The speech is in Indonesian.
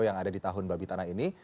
yang ada di tahun babi tanah ini